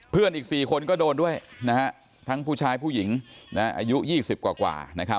เพื่อนอีก๔คนก็โดนด้วยทั้งผู้ชายผู้หญิงอายุ๒๐กว่า